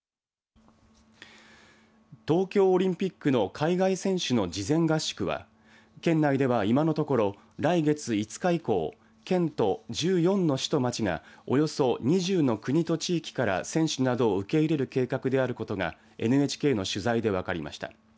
東京オリンピックの海外選手の事前合宿は県内では、今のところ来月５日以降県と１４の市と町がおよそ２０の国と地域から選手などを受け入れる計画であることがＮＨＫの取材で分かりました。